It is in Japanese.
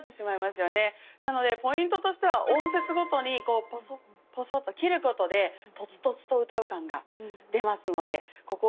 なのでポイントとしては音節ごとにポソっポソっと切ることでとつとつと歌う感が出ますのでここ注意しながら。